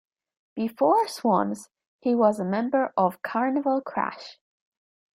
Before Swans, he was a member of Carnival Crash.